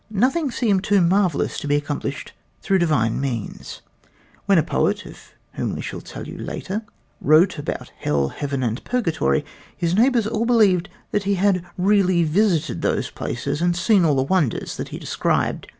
Nothing seemed too marvelous to be accomplished through Divine means. When a great poet of whom we shall tell you later, wrote about Hell, Heaven and Purgatory, his neighbors all believed that he had really visited those places and seen all the wonders that he described.